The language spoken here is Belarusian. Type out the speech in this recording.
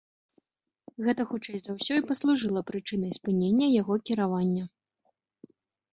Гэта хутчэй за ўсё і паслужыла прычынай спынення яго кіравання.